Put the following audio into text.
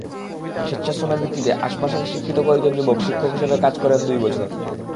স্বেচ্ছাশ্রমের ভিত্তিতে আশপাশের শিক্ষিত কয়েকজন যুবক শিক্ষক হিসেবে কাজ করেন দুই বছর।